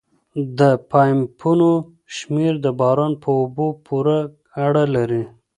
د پایپونو شمېر د باران په اوبو پورې اړه لري